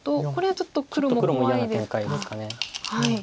ちょっと黒も嫌な展開ですかね。